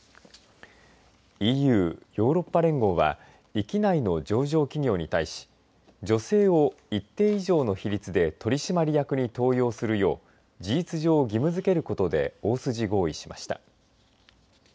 ＥＵ、ヨーロッパ連合は域内の上場企業に対し女性を一定以上の比率で取締役に登用するよう事実上、義務づけることで大筋合意しました。